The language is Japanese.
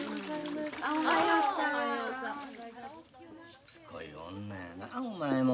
しつこい女やなお前も。